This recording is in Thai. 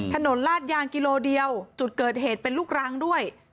ลาดยางกิโลเดียวจุดเกิดเหตุเป็นลูกรังด้วย